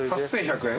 ８，１００円？